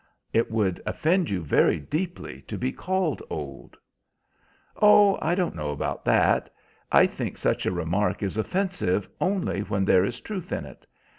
It would offend you very deeply to be called old." "Oh, I don't know about that. I think such a remark is offensive only when there is truth in it.